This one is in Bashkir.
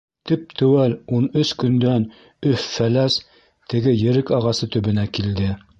Теп-теүәл ун өс көндән Өф-Фәләс теге ерек ағасы төбөнә килде.